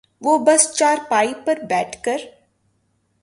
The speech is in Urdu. وہ بس چارپائی پر بیٹھ کر